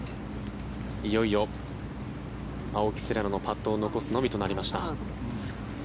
いよいよ青木瀬令奈のパットを残すのみとなりました。